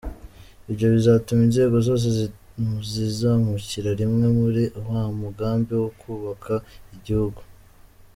Ibyo bizatuma inzego zose zizamukira rimwe muri wa mugambi wo kubaka igihugu.